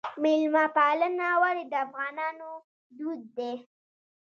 میلمه پالنه ولې د افغانانو دود دی؟